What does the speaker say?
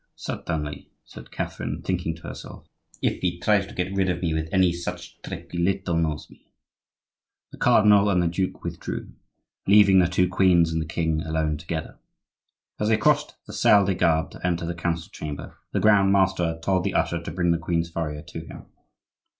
"Certainly," said Catherine, thinking to herself, "If he expects to get rid of me by any such trick he little knows me." The cardinal and the duke withdrew, leaving the two queens and the king alone together. As they crossed the salle des gardes to enter the council chamber, the grand master told the usher to bring the queen's furrier to him.